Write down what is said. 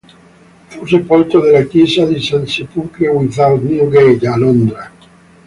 Fu sepolto nella chiesa di St. Sepulchre-without-Newgate, a Londra.